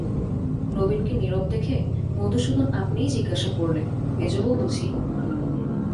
নবীনকে নীরব দেখে মধুসূদন আপনিই জিজ্ঞাসা করলে, মেজোবউ বুঝি?